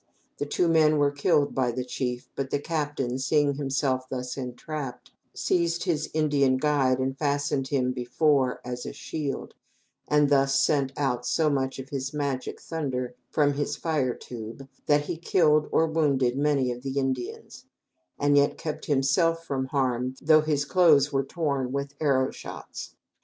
The two men were killed by the chief, but the 'captain,' seeing himself thus entrapped, seized his Indian guide and fastened him before as a shield, and thus sent out so much of his magic thunder from his fire tube that he killed or wounded many of the Indians, and yet kept himself from harm though his clothes were torn with arrow shots.